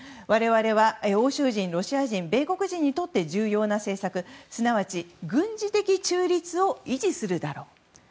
我々は欧州人、ロシア人米国人にとって重要な政策、すなわち軍事的中立を維持するだろう。